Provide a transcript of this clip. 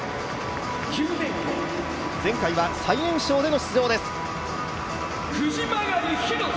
前回は最年少での出場です。